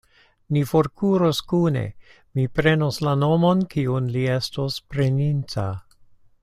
Ni forkuros kune: mi prenos la nomon, kiun li estos preninta.